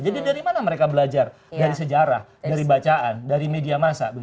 jadi dari mana mereka belajar dari sejarah dari bacaan dari media massa